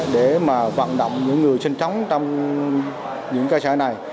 để mà vận động những người sinh sống trong những cơ sở này